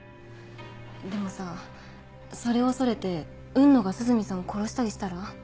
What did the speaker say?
でもさそれを恐れて雲野が涼見さんを殺したりしたら？